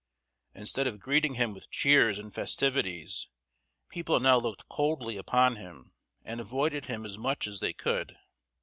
Instead of greeting him with cheers and festivities, people now looked coldly upon him and avoided him as much as they could.